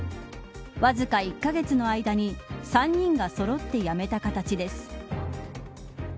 わずか１カ月の間に３人がそろって辞めた形です。